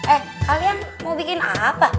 eh kalian mau bikin apa